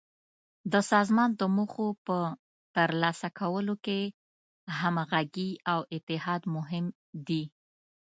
د سازمان د موخو په تر لاسه کولو کې همغږي او اتحاد مهم دي.